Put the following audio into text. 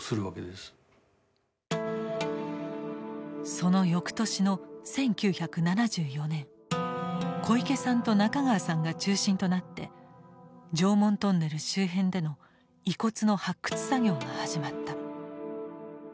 その翌年の１９７４年小池さんと中川さんが中心となって常紋トンネル周辺での遺骨の発掘作業が始まった。